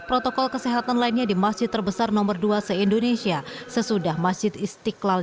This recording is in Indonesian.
protokol kesehatan lainnya di masjid terbesar nomor dua se indonesia sesudah masjid istiqlal